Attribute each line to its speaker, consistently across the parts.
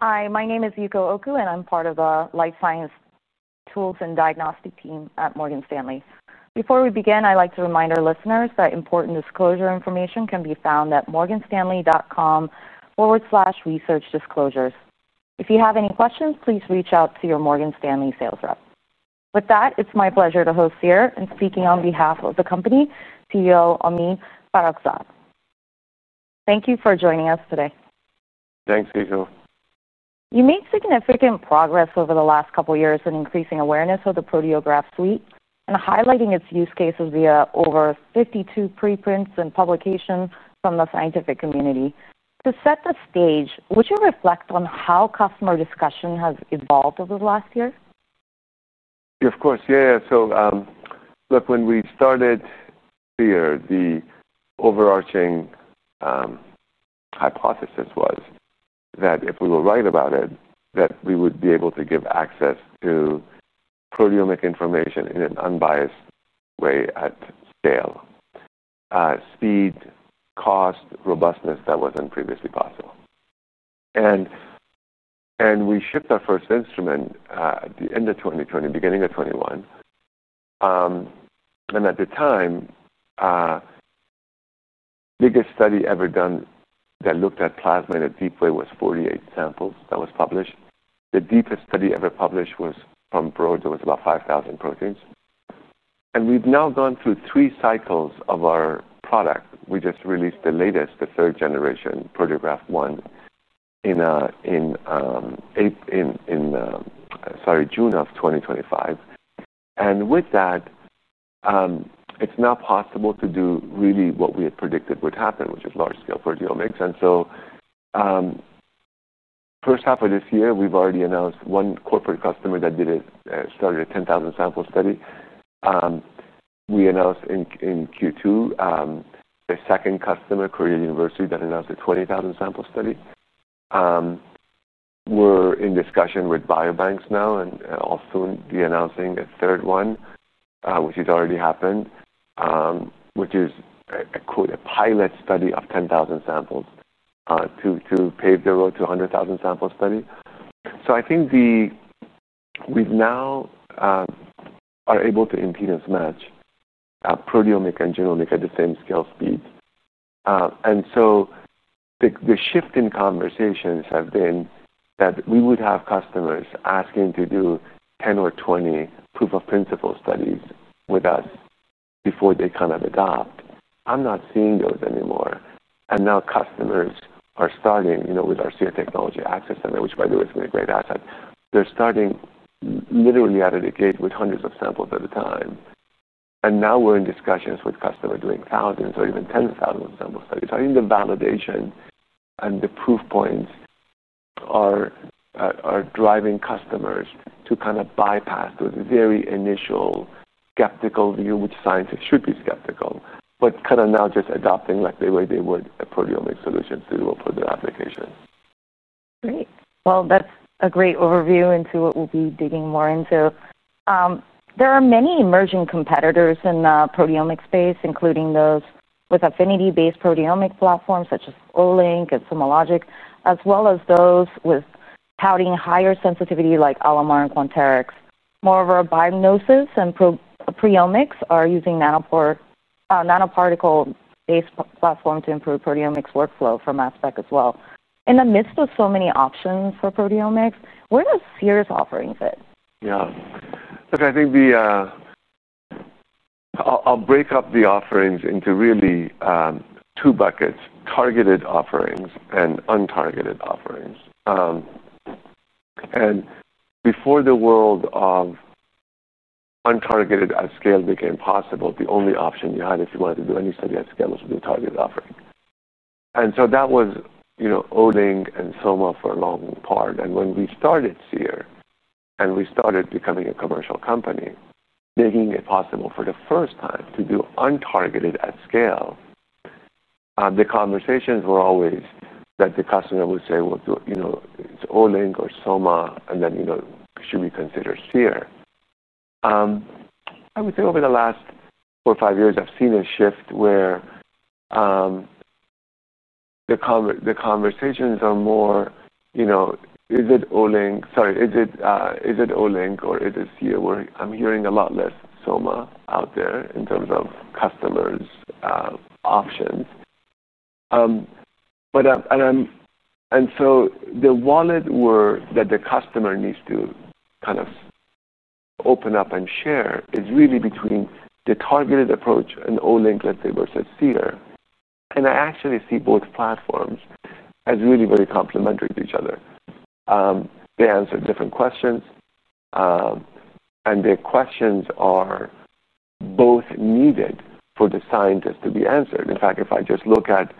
Speaker 1: Hi, my name is Yuko Oko, and I'm part of the Life Sciences Tools and Diagnostics Team at Morgan Stanley. Before we begin, I'd like to remind our listeners that important disclosure information can be found at MorganStanley.com/ResearchDisclosures. If you have any questions, please reach out to your Morgan Stanley sales rep. With that, it's my pleasure to host here and speak on behalf of the company, Seer, Omid Farokhzad. Thank you for joining us today.
Speaker 2: Thanks, Yuko.
Speaker 1: You made significant progress over the last couple of years in increasing awareness of the Proteograph Product Suite and highlighting its use cases via over 52 preprints and publications from the scientific community. To set the stage, would you reflect on how customer discussion has evolved over the last year?
Speaker 2: Of course. Yeah, yeah. Look, when we started here, the overarching hypothesis was that if we were right about it, we would be able to give access to proteomic information in an unbiased way at scale, speed, cost, and robustness that wasn't previously possible. We shipped our first instrument at the end of 2020, beginning of 2021. At the time, the biggest study ever done that looked at plasma in a deep way was 48 samples that was published. The deepest study ever published was from Broad, and it was about 5,000 proteins. We've now gone through three cycles of our product. We just released the latest, the third generation, Proteograph One, in June of 2025. With that, it's now possible to do really what we had predicted would happen, which is large-scale proteomics. In the first half of this year, we've already announced one corporate customer that started a 10,000-sample study. We announced in Q2 the second customer, Korea University, that announced a 20,000-sample study. We're in discussion with biobanks now and, also, to be announcing a third one, which has already happened, which is a, quote, "a pilot study of 10,000 samples," to pave the road to a 100,000-sample study. I think we now are able to impedance match proteomic and genomic at the same scale speed. The shift in conversations has been that we would have customers asking to do 10 or 20 proof-of-principle studies with us before they kind of adopt. I'm not seeing those anymore. Now customers are starting, you know, with our Seer Technology Access Center, which, by the way, has been a great asset. They're starting literally out of the gate with hundreds of samples at a time. Now we're in discussions with customers doing thousands or even tens of thousands of samples. I think the validation and the proof points are driving customers to kind of bypass those very initial skeptical view, which scientists should be skeptical, but kind of now just adopting like the way they would a proteomic solution to do for their applications.
Speaker 1: Great. That's a great overview into what we'll be digging more into. There are many emerging competitors in the proteomic space, including those with affinity-based proteomic platforms such as OLINK and SomaLogic, as well as those touting higher sensitivity like Alamar and Quanterix. Moreover, BGI and PreOmics are using nanoparticle-based platforms to improve proteomics workflow from MassTech as well. In the midst of so many options for proteomics, where does Seer's offering fit?
Speaker 2: Yeah. Look, I think I'll break up the offerings into really two buckets: targeted offerings and untargeted offerings. Before the world of untargeted at scale became possible, the only option you had if you wanted to do any study at scale was with a targeted offering. That was OLINK and SomaLogic for a long part. When we started Seer and we started becoming a commercial company, making it possible for the first time to do untargeted at scale, the conversations were always that the customer would say, "Well, you know, it's OLINK or SomaLogic, and then, you know, should we consider Seer?" I would say over the last four or five years, I've seen a shift where the conversations are more, you know, is it OLINK? Sorry, is it OLINK or is it Seer? I'm hearing a lot less SomaLogic out there in terms of customers' options. The wallet that the customer needs to kind of open up and share is really between the targeted approach and OLINK, let's say, versus Seer. I actually see both platforms as really very complementary to each other. They answer different questions, and the questions are both needed for the scientists to be answered. In fact, if I just look at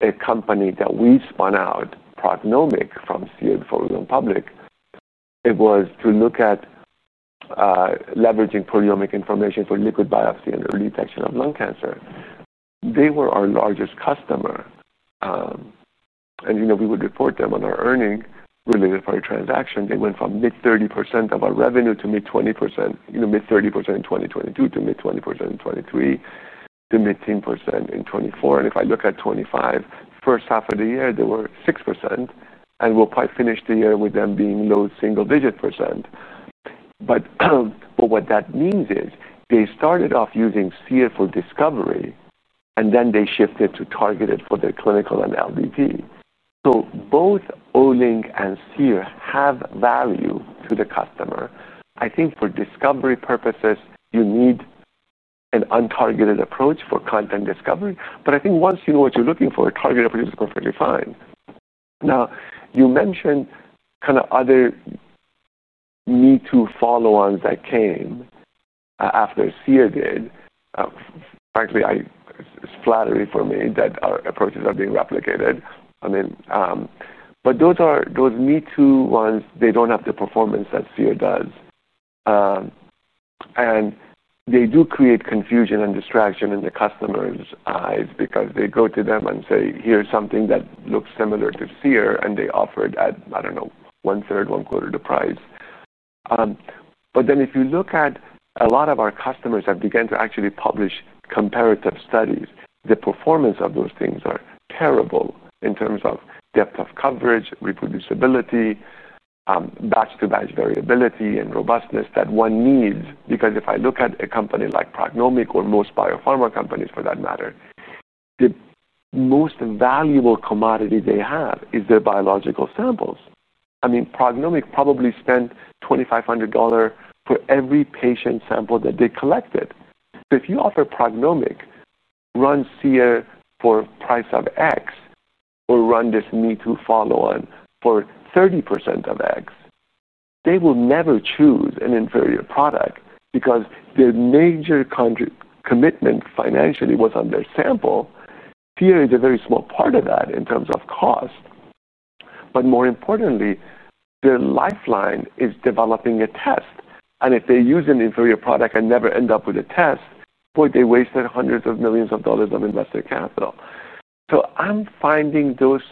Speaker 2: a company that we spun out, Prognomic, from Seer and Fullerton Public, it was to look at leveraging proteomic information for liquid biopsy and early detection of lung cancer. They were our largest customer, and you know, we would report them on our earnings related to the transaction. They went from mid-30% of our revenue to mid-20%, you know, mid-30% in 2022 to mid-20% in 2023 to mid-10% in 2024. If I look at 2025, first half of the year, they were 6%. We'll probably finish the year with them being low single-digit percent. What that means is they started off using Seer for discovery, and then they shifted to targeted for their clinical and LDP. Both OLINK and Seer have value to the customer. I think for discovery purposes, you need an untargeted approach for content discovery. Once you know what you're looking for, a targeted approach is perfectly fine. You mentioned kind of other me-too follow-ons that came after Seer did. Frankly, it's flattery for me that our approaches are being replicated. Those me-too ones, they don't have the performance that Seer does. They do create confusion and distraction in the customer's eyes because they go to them and say, "Here's something that looks similar to Seer," and they offer it at, I don't know, one-third, one-quarter of the price. If you look at a lot of our customers, they have begun to actually publish comparative studies. The performance of those things is terrible in terms of depth of coverage, reproducibility, batch-to-batch variability, and robustness that one needs. If I look at a company like Prognomic or most biopharma companies, for that matter, the most valuable commodity they have is their biological samples. Prognomic probably spent $2,500 for every patient sample that they collected. If you offer Prognomic, run Seer for a price of X, or run this me-too follow-on for 30% of X, they will never choose an inferior product because their major commitment financially was on their sample. Seer is a very small part of that in terms of cost. More importantly, their lifeline is developing a test. If they use an inferior product and never end up with a test, they wasted hundreds of millions of dollars of investor capital. I am finding those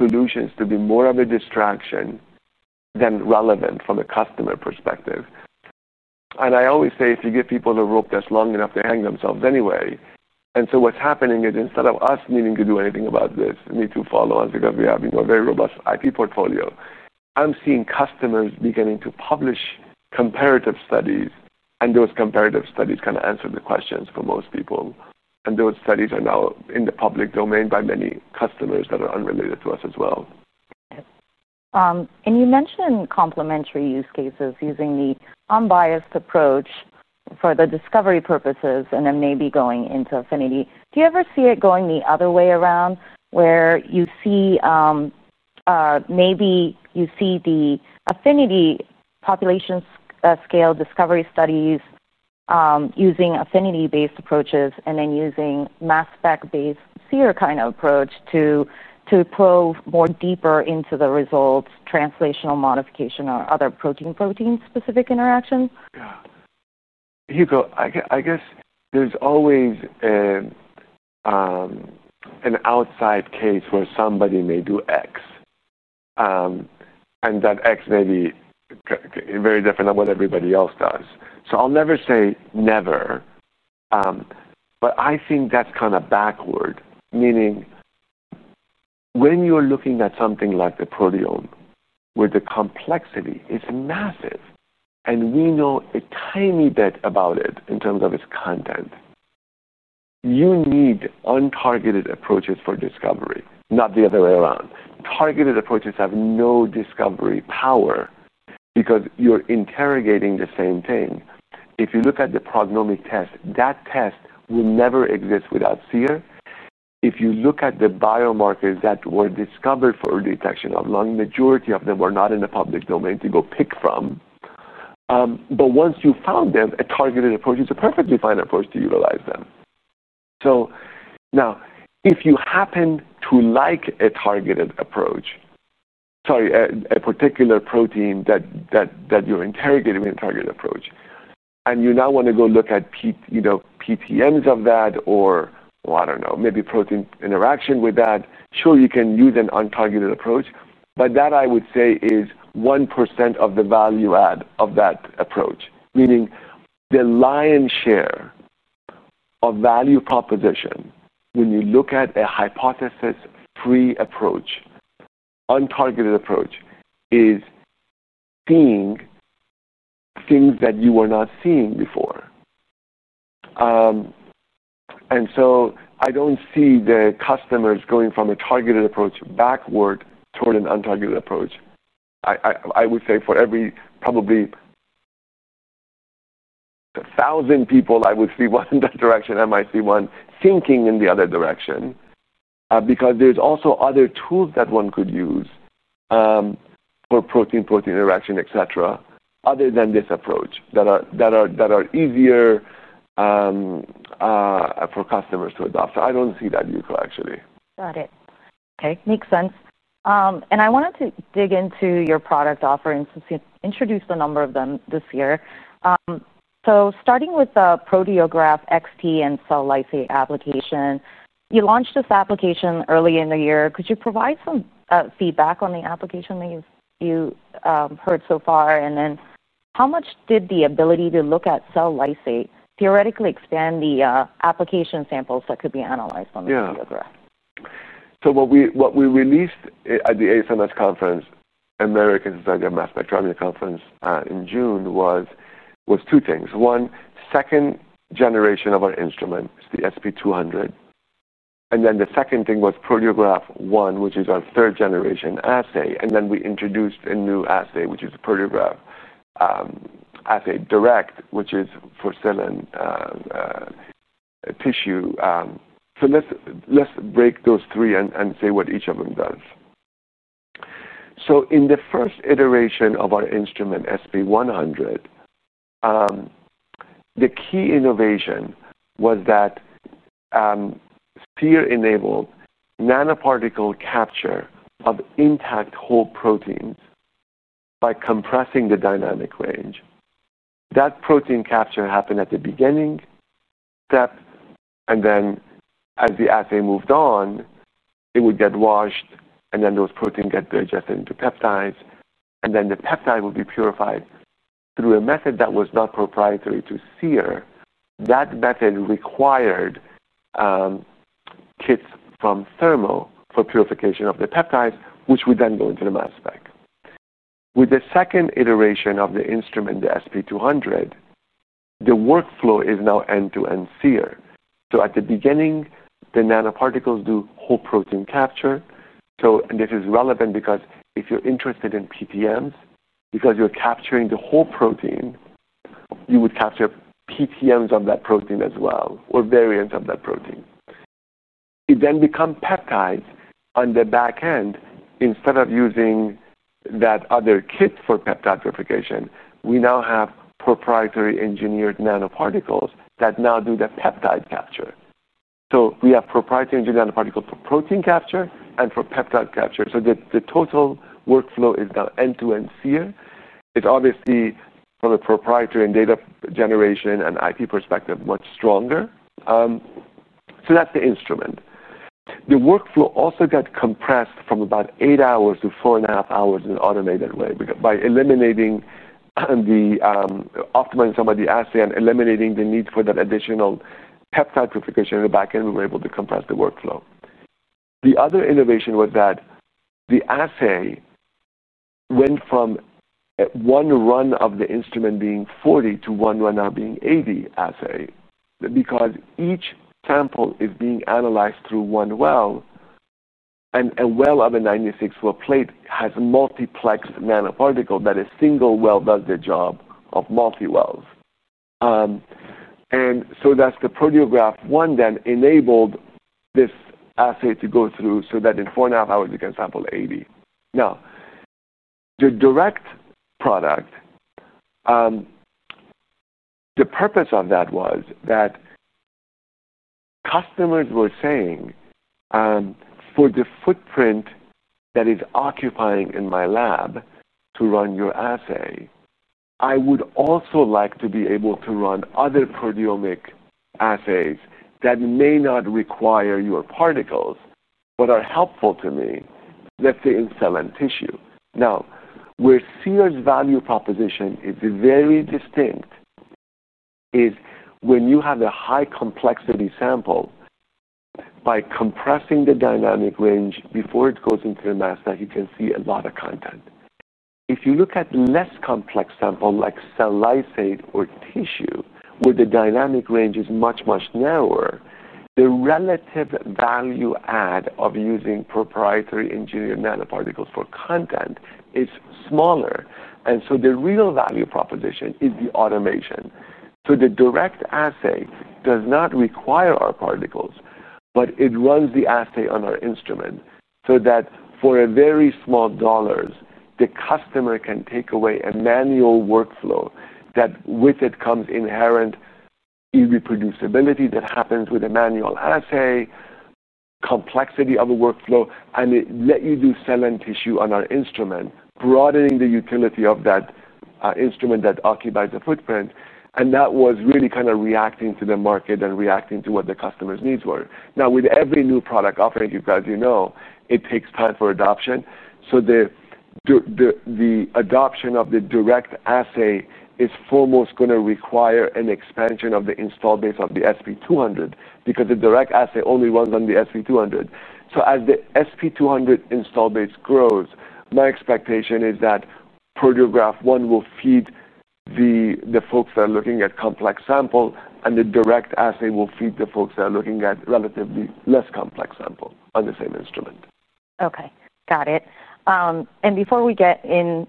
Speaker 2: solutions to be more of a distraction than relevant from a customer perspective. I always say if you get people on a rope that's long enough, they hang themselves anyway. What's happening is instead of us needing to do anything about this, me-too follow-ons, because we have a very robust IP portfolio, I am seeing customers beginning to publish comparative studies, and those comparative studies kind of answer the questions for most people. Those studies are now in the public domain by many customers that are unrelated to us as well.
Speaker 1: You mentioned complementary use cases using the unbiased approach for discovery purposes and then maybe going into affinity. Do you ever see it going the other way around where you see, maybe you see the affinity population scale discovery studies, using affinity-based approaches and then using MassTech-based Seer kind of approach to probe more deeply into the results, translational modification, or other protein-protein specific interaction?
Speaker 2: Yeah. Yuko, I guess there's always an outside case where somebody may do X. That X may be very different than what everybody else does. I'll never say never. I think that's kind of backward, meaning when you're looking at something like the proteome where the complexity is massive and we know a tiny bit about it in terms of its content, you need untargeted approaches for discovery, not the other way around. Targeted approaches have no discovery power because you're interrogating the same thing. If you look at the Prognomic test, that test will never exist without Seer. If you look at the biomarkers that were discovered for detection of lung, the majority of them were not in the public domain to go pick from. Once you found them, a targeted approach is a perfectly fine approach to utilize them. If you happen to like a targeted approach, sorry, a particular protein that you're interrogating with a targeted approach, and you now want to go look at PTMs of that or, well, I don't know, maybe protein interaction with that, sure, you can use an untargeted approach. That I would say is 1% of the value add of that approach, meaning the lion's share of value proposition when you look at a hypothesis-free approach, untargeted approach is seeing things that you were not seeing before. I don't see the customers going from a targeted approach backward toward an untargeted approach. I would say for every probably 1,000 people, I would see one in that direction. I might see one sinking in the other direction, because there's also other tools that one could use, for protein-protein interaction, etc., other than this approach that are easier for customers to adopt. I don't see that, Yuko, actually.
Speaker 1: Got it. Okay. Makes sense. I wanted to dig into your product offerings since you introduced a number of them this year. Starting with the Proteograph XT and cell lysate application, you launched this application early in the year. Could you provide some feedback on the application that you've heard so far? How much did the ability to look at cell lysate theoretically expand the application samples that could be analyzed from the Proteograph?
Speaker 2: Yeah. What we released at the ASMS Conference, American Society of Mass Spectrometry Conference, in June was two things. One, second generation of our instrument, it's the SP200. The second thing was Proteograph One, which is our third-generation assay. We introduced a new assay, which is the Proteograph Direct Assay, which is for cell and tissue. Let's break those three and say what each of them does. In the first iteration of our instrument, SP100, the key innovation was that Seer enabled nanoparticle capture of intact whole proteins by compressing the dynamic range. That protein capture happened at the beginning step. As the assay moved on, it would get washed, and then those proteins get digested into peptides. The peptide would be purified through a method that was not proprietary to Seer. That method required kits from Thermo Fisher Scientific for purification of the peptides, which would then go into the MassTech. With the second iteration of the instrument, the SP200, the workflow is now end-to-end Seer. At the beginning, the nanoparticles do whole protein capture. This is relevant if you're interested in PTMs, because you're capturing the whole protein, you would capture PTMs of that protein as well, or variants of that protein. It then becomes peptides on the back end. Instead of using that other kit for peptide purification, we now have proprietary engineered nanoparticles that now do the peptide capture. We have proprietary engineered nanoparticles for protein capture and for peptide capture. The total workflow is now end-to-end Seer. It's obviously from a proprietary and data generation and IP perspective much stronger. That's the instrument. The workflow also got compressed from about eight hours to four and a half hours in an automated way by optimizing some of the assay and eliminating the need for that additional peptide purification in the back end. We were able to compress the workflow. The other innovation was that the assay went from one run of the instrument being 40 to one run now being 80 assay because each sample is being analyzed through one well. A well of a 96-well plate has multiplexed nanoparticles that a single well does the job of multi-wells. That's the Proteograph One that enabled this assay to go through so that in four and a half hours, we can sample 80. Now, the direct product, the purpose of that was that customers were saying, "For the footprint that is occupying in my lab to run your assay, I would also like to be able to run other proteomic assays that may not require your particles but are helpful to me, let's say, in cell and tissue." Where Seer's value proposition is very distinct is when you have a high-complexity sample, by compressing the dynamic range before it goes into the mass, that you can see a lot of content. If you look at less complex samples like cell lysate or tissue, where the dynamic range is much, much narrower, the relative value add of using proprietary engineered nanoparticles for content is smaller. The real value proposition is the automation. The direct assay does not require our particles, but it runs the assay on our instrument so that for very small dollars, the customer can take away a manual workflow that with it comes inherent irreproducibility that happens with a manual assay, complexity of a workflow, and it lets you do cell and tissue on our instrument, broadening the utility of that instrument that occupies the footprint. That was really kind of reacting to the market and reacting to what the customer's needs were. With every new product offering, because you know it takes time for adoption, the adoption of the direct assay is foremost going to require an expansion of the install base of the SP200 because the direct assay only runs on the SP200. As the SP200 install base grows, my expectation is that Proteograph One will feed the folks that are looking at complex samples, and the direct assay will feed the folks that are looking at relatively less complex samples on the same instrument.
Speaker 1: Okay. Got it. Before we get in,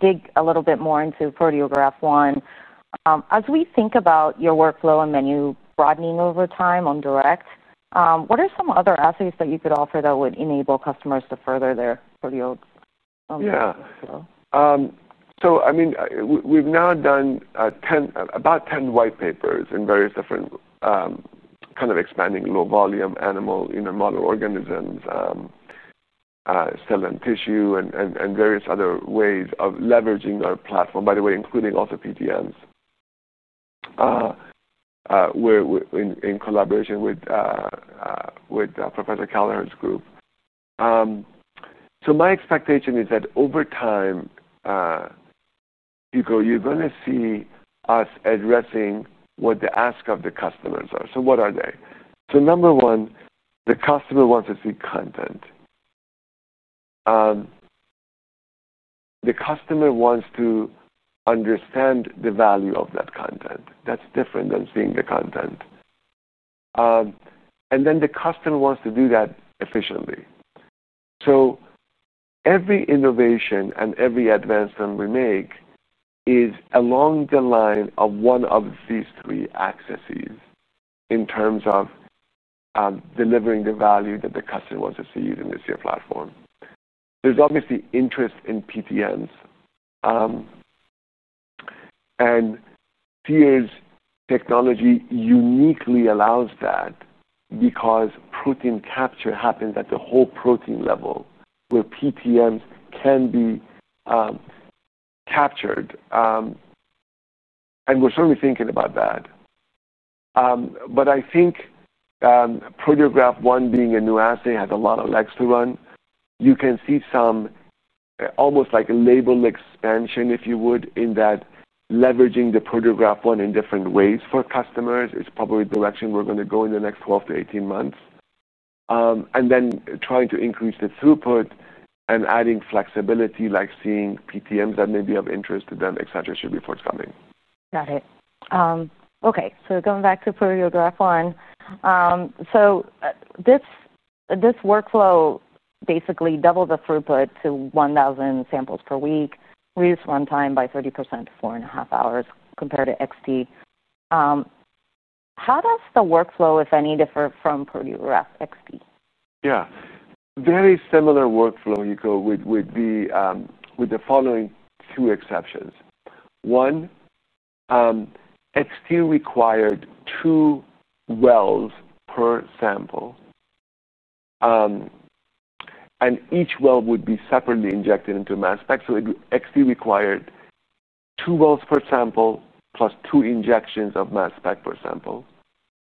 Speaker 1: dig a little bit more into Proteograph One, as we think about your workflow and menu broadening over time on direct, what are some other assays that you could offer that would enable customers to further their proteomics?
Speaker 2: Yeah. I mean, we've now done about 10 white papers in various different, kind of expanding low-volume animal, inner model organisms, cell and tissue, and various other ways of leveraging our platform, by the way, including also PTMs, in collaboration with Professor Kallenherz's group. My expectation is that over time, Yuko, you're going to see us addressing what the asks of the customers are. What are they? Number one, the customer wants to see content. The customer wants to understand the value of that content. That's different than seeing the content. The customer wants to do that efficiently. Every innovation and every advancement we make is along the line of one of these three axes in terms of delivering the value that the customer wants to see using the Seer platform. There's obviously interest in PTMs, and Seer's technology uniquely allows that because protein capture happens at the whole protein level where PTMs can be captured. We're certainly thinking about that. I think Proteograph One, being a new assay, has a lot of legs to run. You can see some almost like a label expansion, if you would, in that leveraging the Proteograph One in different ways for customers is probably the direction we're going to go in the next 12 to 18 months. Trying to increase the throughput and adding flexibility, like seeing PTMs that may be of interest to them, etc., should be forthcoming.
Speaker 1: Got it. Okay. Going back to Proteograph One, this workflow basically doubled the throughput to 1,000 samples per week, reduced runtime by 30% to four and a half hours compared to XT. How does the workflow, if any, differ from Proteograph XT?
Speaker 2: Yeah. Very similar workflow, Yuko, with the following two exceptions. One, XT required two wells per sample, and each well would be separately injected into MassTech. XT required two wells per sample plus two injections of MassTech per sample.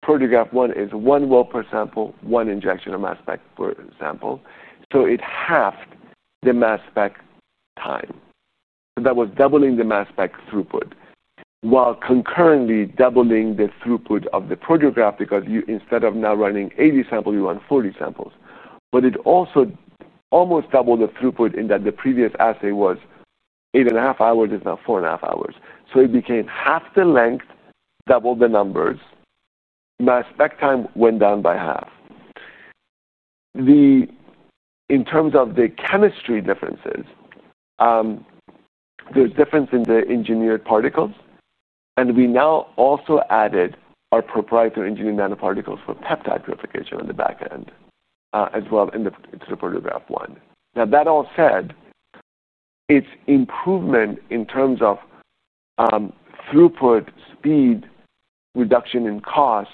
Speaker 2: Proteograph One is one well per sample, one injection of MassTech per sample. It halved the MassTech time. That was doubling the MassTech throughput while concurrently doubling the throughput of the Proteograph because instead of now running 80 samples, you run 40 samples. It also almost doubled the throughput in that the previous assay was eight and a half hours, is now four and a half hours. It became half the length, doubled the numbers. MassTech time went down by half. In terms of the chemistry differences, there's a difference in the engineered particles. We now also added our proprietary engineered nanoparticles for peptide purification on the back end as well in the Proteograph One. That all said, it's improvement in terms of throughput, speed, reduction in cost.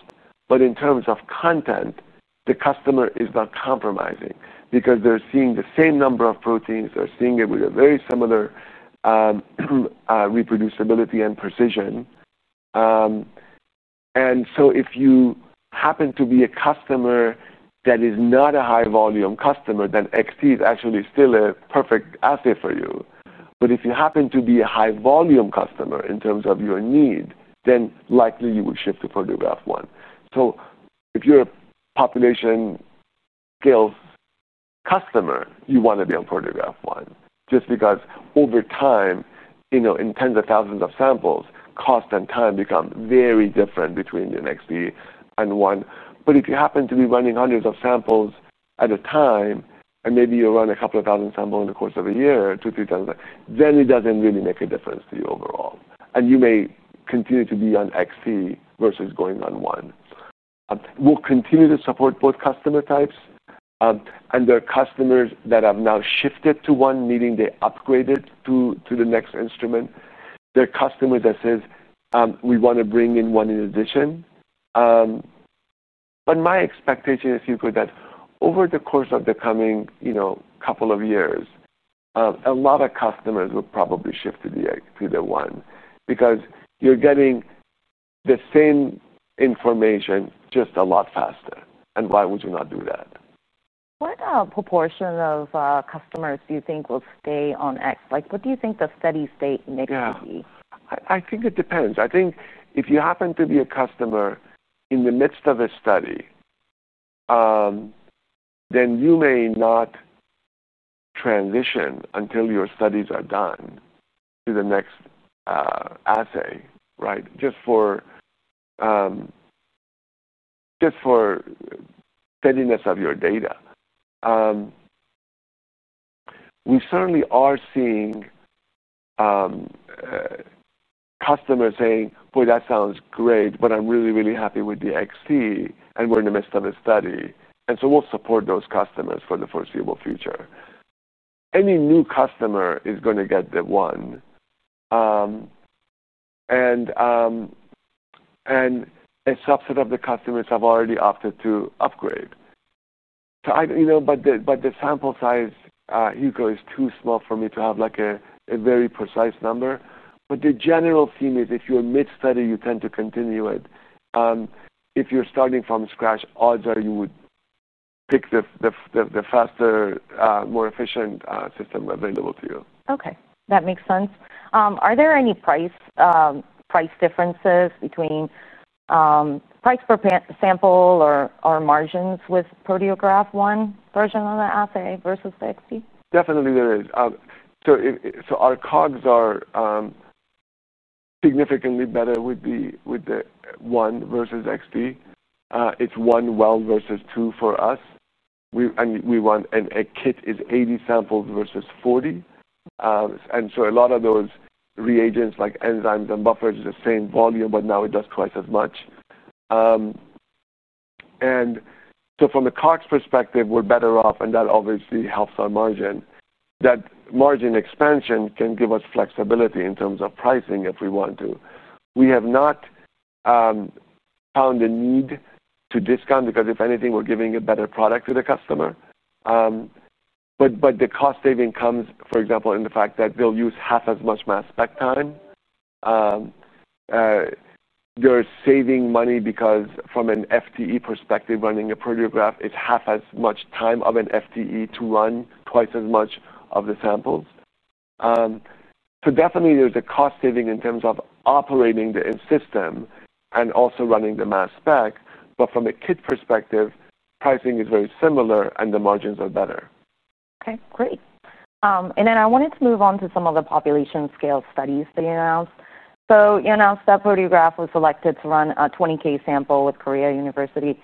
Speaker 2: In terms of content, the customer is not compromising because they're seeing the same number of proteins. They're seeing it with very similar reproducibility and precision. If you happen to be a customer that is not a high-volume customer, then XT is actually still a perfect assay for you. If you happen to be a high-volume customer in terms of your need, then likely you would shift to Proteograph One. If you're a population-scale customer, you want to be on Proteograph One just because over time, you know, in tens of thousands of samples, cost and time become very different between XT and One. If you happen to be running hundreds of samples at a time, and maybe you run a couple of thousand samples in the course of a year, two, three times, then it doesn't really make a difference to you overall. You may continue to be on XT versus going on One. We'll continue to support both customer types. There are customers that have now shifted to One, meaning they upgraded to the next instrument. There are customers that say, "We want to bring in One in addition." My expectation is, Yuko, that over the course of the coming couple of years, a lot of customers will probably shift to the One, because you're getting the same information just a lot faster. Why would you not do that?
Speaker 1: What proportion of customers do you think will stay on X? What do you think the steady-state mix would be?
Speaker 2: Yeah. I think it depends. I think if you happen to be a customer in the midst of a study, then you may not transition until your studies are done to the next assay, right? Just for steadiness of your data. We certainly are seeing customers saying, "Boy, that sounds great, but I'm really, really happy with the XT, and we're in the midst of a study." We will support those customers for the foreseeable future. Any new customer is going to get the One. A subset of the customers have already opted to upgrade. The sample size, Yuko, is too small for me to have a very precise number. The general theme is if you're mid-study, you tend to continue it. If you're starting from scratch, odds are you would pick the faster, more efficient system available to you.
Speaker 1: Okay. That makes sense. Are there any price differences between price per sample or margins with Proteograph One version on the assay versus the XT?
Speaker 2: Definitely, there is. Our cost of goods are significantly better with the Proteograph One versus XT. It's one well versus two for us, and we want a kit that is 80 samples versus 40. A lot of those reagents like enzymes and buffers are the same volume, but now it does twice as much. From the cost of goods perspective, we're better off, and that obviously helps our margin. That margin expansion can give us flexibility in terms of pricing if we want to. We have not found a need to discount because, if anything, we're giving a better product to the customer. The cost saving comes, for example, in the fact that they'll use half as much MassTech time. They're saving money because from an FTE perspective, running a Proteograph is half as much time of an FTE to run twice as much of the samples. There is definitely a cost saving in terms of operating the system and also running the MassTech. From a kit perspective, pricing is very similar, and the margins are better.
Speaker 1: Okay. Great. I wanted to move on to some of the population-scale studies that you announced. You announced that Proteograph was selected to run a 20,000 sample with Korea University.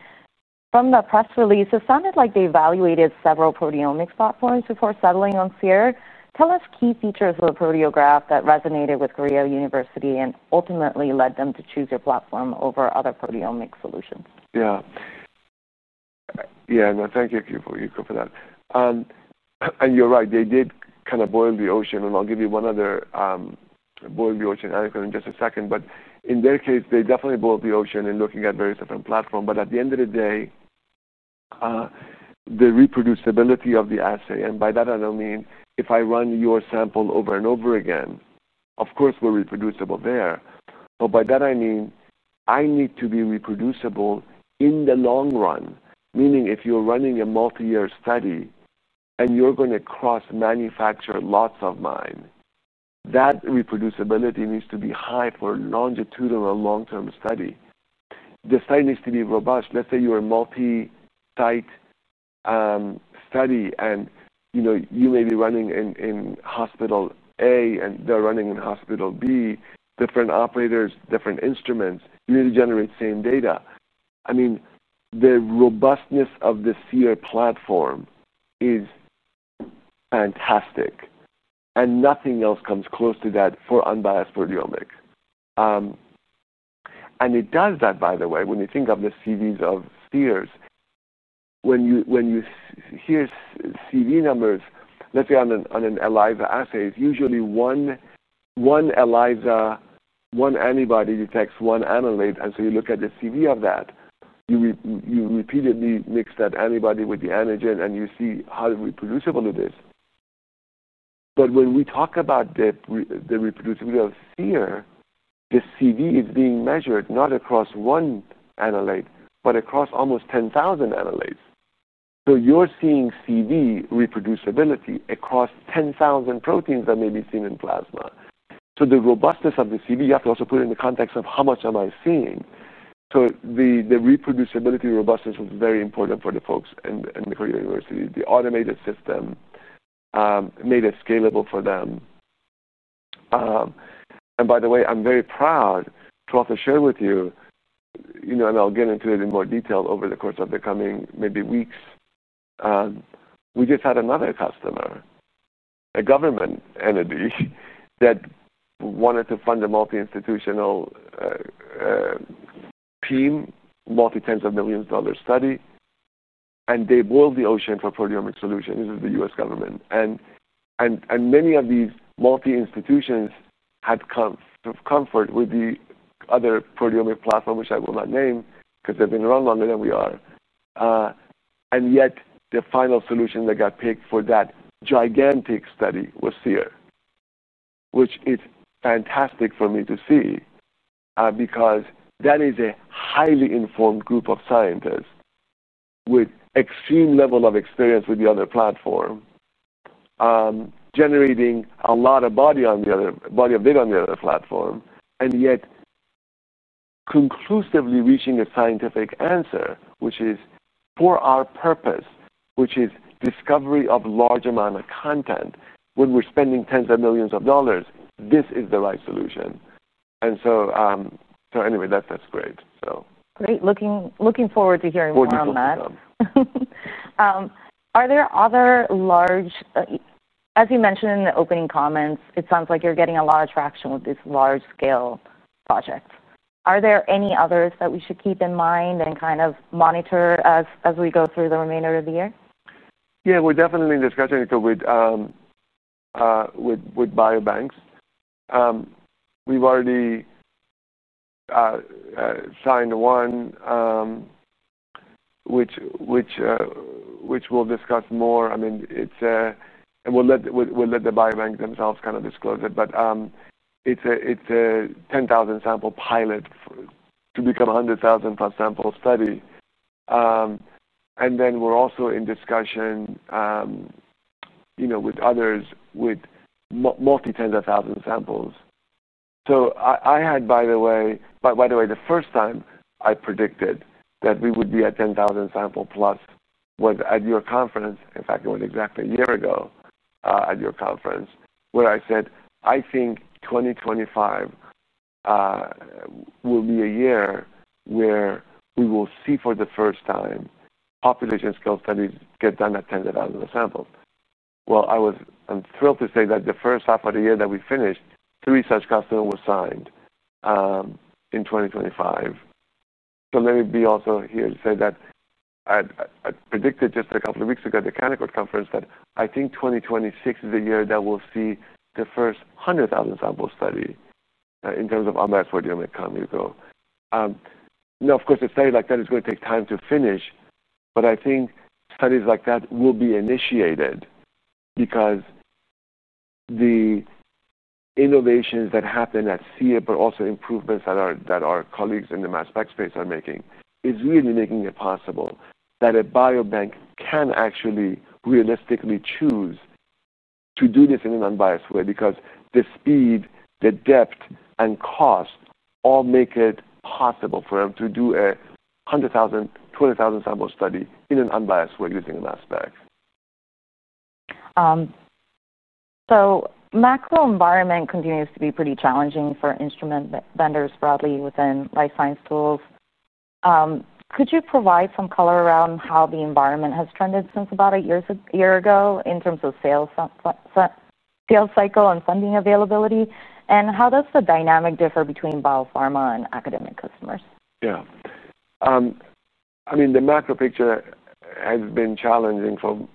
Speaker 1: From the press release, it sounded like they evaluated several proteomics platforms before settling on Seer. Tell us key features of Proteograph that resonated with Korea University and ultimately led them to choose your platform over other proteomics solutions.
Speaker 2: Yeah. Yeah. No, thank you, Yuko, for that. You're right. They did kind of boil the ocean. I'll give you one other boil-the-ocean anecdote in just a second. In their case, they definitely boiled the ocean in looking at various different platforms. At the end of the day, the reproducibility of the assay, and by that, I don't mean if I run your sample over and over again, of course, we're reproducible there. By that, I mean I need to be reproducible in the long run, meaning if you're running a multi-year study and you're going to cross-manufacture lots of mine, that reproducibility needs to be high for a longitudinal long-term study. The study needs to be robust. Let's say you're a multi-site study and you may be running in Hospital A and they're running in Hospital B, different operators, different instruments. You need to generate the same data. The robustness of the Seer platform is fantastic. Nothing else comes close to that for unbiased proteomics. It does that, by the way, when you think of the CVs of Seer's, when you hear CV numbers, let's say on an ELISA assay, it's usually one ELISA, one antibody detects one amyloid. You look at the CV of that. You repeatedly mix that antibody with the antigen and you see how reproducible it is. When we talk about the reproducibility of Seer, the CV is being measured not across one amyloid, but across almost 10,000 amyloids. You're seeing CV reproducibility across 10,000 proteins that may be seen in plasma. The robustness of the CV, you have to also put it in the context of how much am I seeing. The reproducibility robustness was very important for the folks in Korea University. The automated system made it scalable for them. By the way, I'm very proud to also share with you, and I'll get into it in more detail over the course of the coming maybe weeks. We just had another customer, a government entity that wanted to fund a multi-institutional team, multi-tens of millions of dollars study. They boiled the ocean for proteomic solutions. This is the U.S. government. Many of these multi-institutions had come to comfort with the other proteomic platform, which I will not name because they've been around longer than we are. Yet the final solution that got picked for that gigantic study was Seer, which is fantastic for me to see, because that is a highly informed group of scientists with an extreme level of experience with the other platform, generating a lot of body of data on the other platform, and yet conclusively reaching a scientific answer, which is for our purpose, which is discovery of a large amount of content. When we're spending tens of millions of dollars, this is the right solution. Anyway, that's great.
Speaker 1: Great. Looking forward to hearing more from that.
Speaker 2: You're welcome.
Speaker 1: As you mentioned in the opening comments, it sounds like you're getting a lot of traction with this large-scale project. Are there any others that we should keep in mind and monitor as we go through the remainder of the year?
Speaker 2: Yeah, we're definitely discussing it with biobanks. We've already signed the one, which we'll discuss more. I mean, it's a, and we'll let the biobank themselves kind of disclose it. It's a 10,000-sample pilot to become a 100,000-sample study. We're also in discussion with others with multi-tens of thousands of samples. The first time I predicted that we would be at 10,000 samples plus was at your conference. In fact, it was exactly a year ago, at your conference where I said, "I think 2025 will be a year where we will see for the first time population-scale studies get done at 10,000 samples." I was thrilled to say that the first half of the year that we finished, three such customers were signed, in 2025. Let me be also here to say that I predicted just a couple of weeks ago at the Connecord Conference that I think 2026 is the year that we'll see the first 100,000-sample study, in terms of unbiased proteomic computation. Of course, a study like that is going to take time to finish, but I think studies like that will be initiated because the innovations that happen at Seer, but also improvements that our colleagues in the MassTech space are making, is really making it possible that a biobank can actually realistically choose to do this in an unbiased way because the speed, the depth, and cost all make it possible for them to do a 100,000, 20,000-sample study in an unbiased way using MassTech.
Speaker 1: The macro environment continues to be pretty challenging for instrument vendors broadly within life science tools. Could you provide some color around how the environment has trended since about a year ago in terms of sales cycle and funding availability? How does the dynamic differ between biopharma and academic customers?
Speaker 2: Yeah. I mean, the macro picture has been challenging for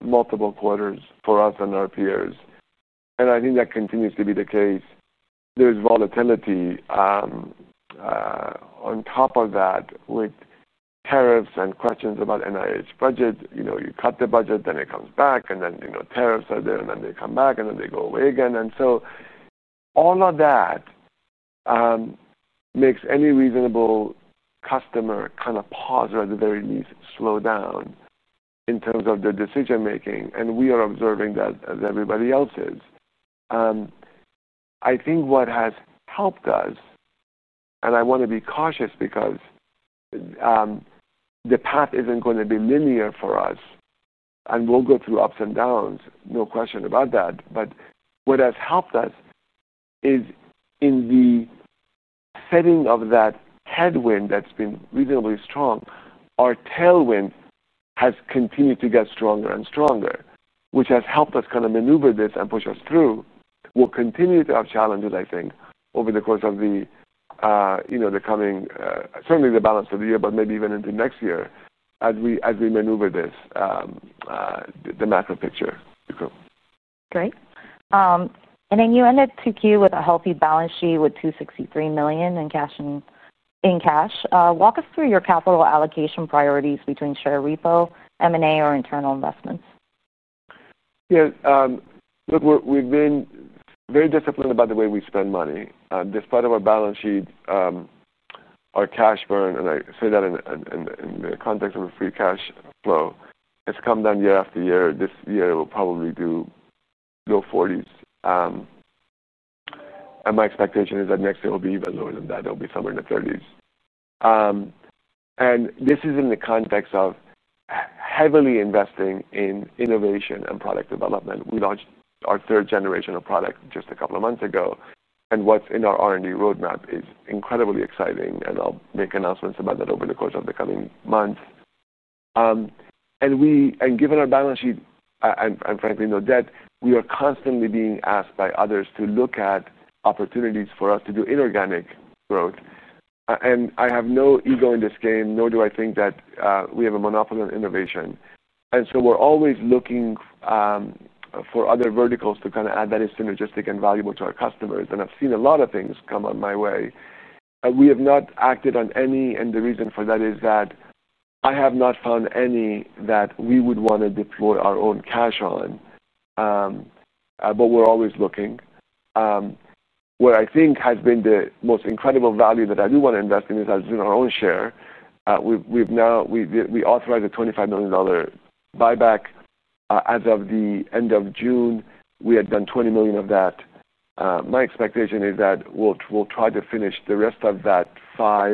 Speaker 2: multiple quarters for us and our peers. I think that continues to be the case. There's volatility on top of that with tariffs and questions about the NIH budget. You know, you cut the budget, then it comes back, and then you know tariffs are there, and then they come back, and then they go away again. All of that makes any reasonable customer kind of pause or at the very least slow down in terms of their decision-making. We are observing that as everybody else is. I think what has helped us, and I want to be cautious because the path isn't going to be linear for us, and we'll go through ups and downs, no question about that. What has helped us is in the setting of that headwind that's been reasonably strong, our tailwind has continued to get stronger and stronger, which has helped us kind of maneuver this and push us through. We'll continue to have challenges, I think, over the course of the, you know, the coming, certainly the balance of the year, but maybe even into next year as we maneuver this, the macro picture.
Speaker 1: Great. You ended Q2 with a healthy balance sheet with $263 million in cash. Walk us through your capital allocation priorities between share repo, M&A, or internal investments.
Speaker 2: Yeah. Look, we've been very disciplined about the way we spend money. This part of our balance sheet, our cash burn, and I say that in the context of a free cash flow, has come down year after year. This year, it will probably do low $40 million, and my expectation is that next year will be even lower than that. It'll be somewhere in the $30 million, and this is in the context of heavily investing in innovation and product development. We launched our third generation of product just a couple of months ago. What's in our R&D roadmap is incredibly exciting. I'll make announcements about that over the course of the coming months. Given our balance sheet, and frankly, no debt, we are constantly being asked by others to look at opportunities for us to do inorganic growth. I have no ego in this game, nor do I think that we have a monopoly on innovation. We're always looking for other verticals to kind of add that are synergistic and valuable to our customers. I've seen a lot of things come up my way. We have not acted on any, and the reason for that is that I have not found any that we would want to deploy our own cash on, but we're always looking. What I think has been the most incredible value that I do want to invest in is us doing our own share. We've now authorized a $25 million buyback. As of the end of June, we had done $20 million of that. My expectation is that we'll try to finish the rest of that $5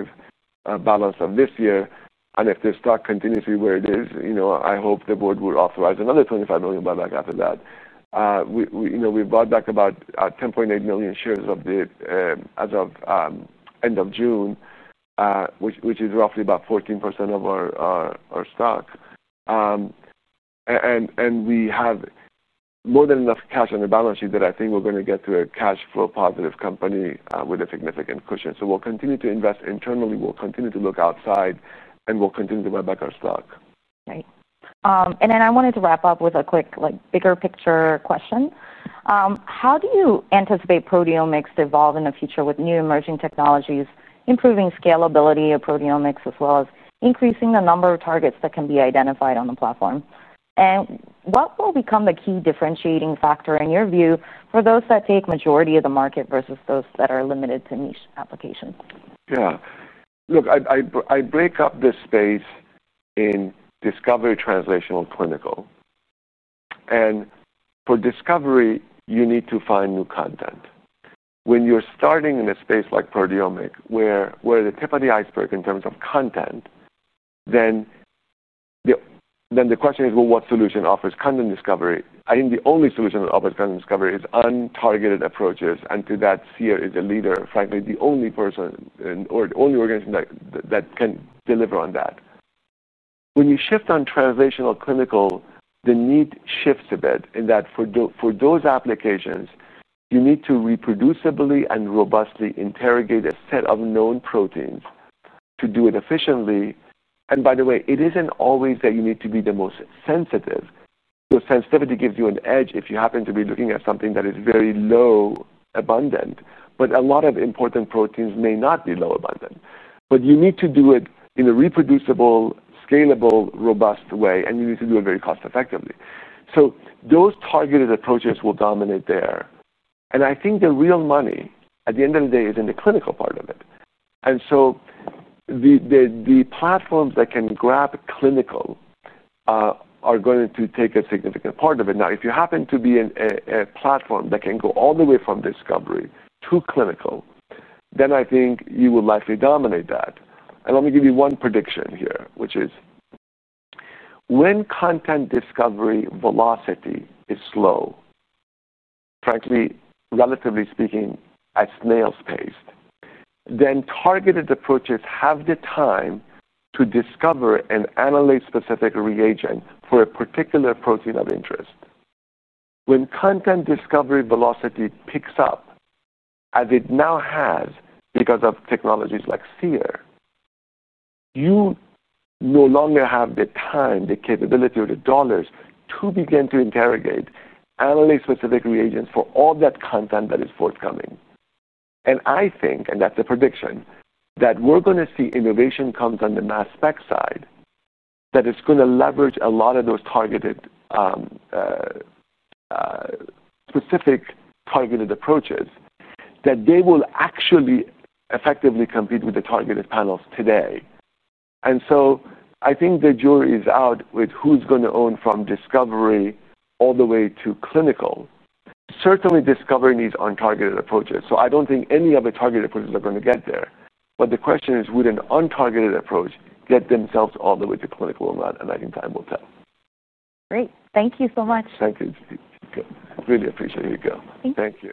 Speaker 2: million balance this year. If the stock continues to be where it is, I hope the board will authorize another $25 million buyback after that. We brought back about 10.8 million shares as of end of June, which is roughly about 14% of our stock, and we have more than enough cash on the balance sheet that I think we're going to get to a cash flow positive company with a significant cushion. We'll continue to invest internally, we'll continue to look outside, and we'll continue to buy back our stock.
Speaker 1: Great. I wanted to wrap up with a quick, bigger picture question. How do you anticipate proteomics to evolve in the future with new emerging technologies, improving scalability of proteomics, as well as increasing the number of targets that can be identified on the platform? What will become the key differentiating factor, in your view, for those that take the majority of the market versus those that are limited to niche applications?
Speaker 2: Yeah. Look, I break up this space in discovery, translational, and clinical. For discovery, you need to find new content. When you're starting in a space like proteomics, where we're at the tip of the iceberg in terms of content, the question is, what solution offers content discovery? I think the only solution that offers content discovery is untargeted approaches. To that, Seer is a leader, frankly the only organization that can deliver on that. When you shift on translational clinical, the need shifts a bit in that for those applications, you need to reproducibly and robustly interrogate a set of known proteins to do it efficiently. By the way, it isn't always that you need to be the most sensitive. Your sensitivity gives you an edge if you happen to be looking at something that is very low abundant. A lot of important proteins may not be low abundant, but you need to do it in a reproducible, scalable, robust way. You need to do it very cost-effectively. Those targeted approaches will dominate there. I think the real money, at the end of the day, is in the clinical part of it. The platforms that can grab clinical are going to take a significant part of it. If you happen to be a platform that can go all the way from discovery to clinical, then I think you will likely dominate that. Let me give you one prediction here, which is when content discovery velocity is slow, frankly, relatively speaking, at snail's pace, targeted approaches have the time to discover and analyze specific reagents for a particular protein of interest. When content discovery velocity picks up, as it now has because of technologies like Seer, you no longer have the time, the capability, or the dollars to begin to interrogate analytics-specific reagents for all that content that is forthcoming. I think, and that's a prediction, that we're going to see innovation come from the MassTech side, that it's going to leverage a lot of those targeted, specific targeted approaches, that they will actually effectively compete with the targeted panels today. I think the jury is out with who's going to own from discovery all the way to clinical. Certainly, discovery needs untargeted approaches. I don't think any of the targeted approaches are going to get there. The question is, would an untargeted approach get themselves all the way to clinical or not? I think time will tell.
Speaker 1: Great. Thank you so much.
Speaker 2: Thank you. Really appreciate it, Yuko.
Speaker 1: Thank you.
Speaker 2: Thank you.